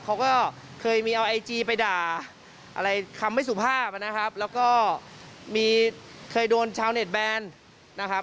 เขาก็เคยมีเอาไอจีไปด่าอะไรคำไม่สุภาพนะครับแล้วก็มีเคยโดนชาวเน็ตแบนนะครับ